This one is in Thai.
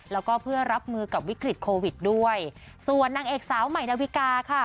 แล้วก็เพื่อรับมือกับวิกฤตโควิดด้วยส่วนนางเอกสาวใหม่นาวิกาค่ะ